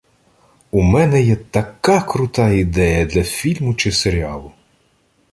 У мене є така крута ідея для фільму чи серіалу!